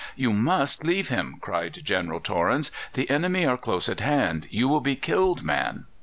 "You must leave him," cried General Torrens; "the enemy are close at hand. You will be killed, man!"